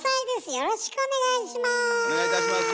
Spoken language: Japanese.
よろしくお願いします。